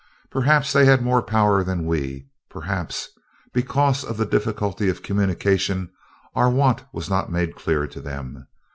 Perhaps they had more power than we, perhaps, because of the difficulty of communication, our want was not made clear to them.